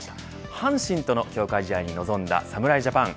阪神との強化試合に臨んだ侍ジャパン。